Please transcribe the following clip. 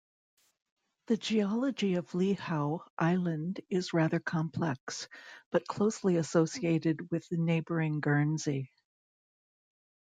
The geology of Lihou Island is rather complex, but closely associated with neighbouring Guernsey.